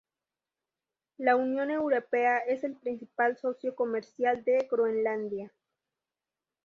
La Unión Europea es el principal socio comercial de Groenlandia.